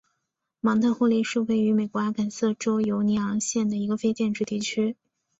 芒特霍利是位于美国阿肯色州犹尼昂县的一个非建制地区。